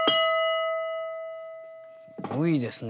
すごいですね